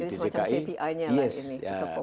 jadi semacam kpi nya lah ini performance indicator